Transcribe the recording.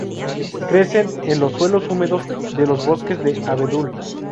Crece en los suelos húmedos de los bosques de abedul.